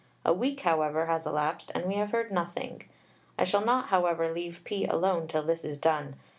A week, however, has elapsed, and we have heard nothing. I shall not, however, leave P. alone till this is done.